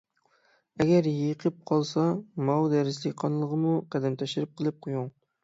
ئەگەر يېقىپ قالسا، ماۋۇ دەرسلىك قانىلىغىمۇ قەدەم تەشرىپ قىلىپ قويۇڭ.